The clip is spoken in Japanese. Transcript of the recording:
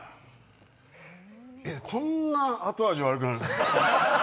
こんな後味悪くなる？